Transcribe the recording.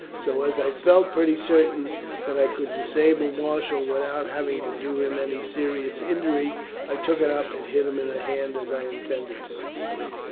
So as I felt pretty certain that I could disable Marshall without having to do him any serious injury, I took it up and hit him in the hand as I intended to."